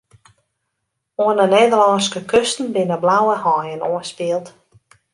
Oan 'e Nederlânske kusten binne blauwe haaien oanspield.